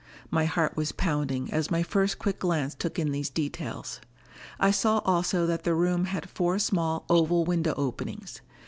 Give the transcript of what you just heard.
My heart was pounding as my first quick glance took in these details. I saw also that the room had four small oval window openings.